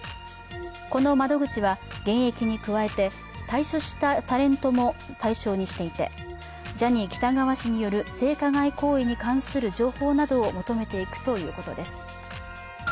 この窓口は現役に加えて、退所したタレントも対象にしていて、ジャニー喜多川氏による性加害行為に関する情報などを求めていくということです。